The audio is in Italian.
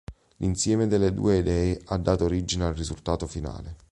L'insieme delle due idee ha dato origine al risultato finale.